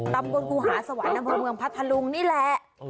ตำบลครูหาสวรรค์อำเภอเมืองพัทธลุงนี่แหละ